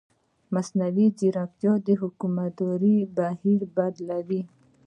مصنوعي ځیرکتیا د حکومتدارۍ بهیر بدلوي.